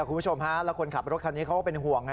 คุณผู้ชมฮะแล้วคนขับรถคันนี้เขาก็เป็นห่วง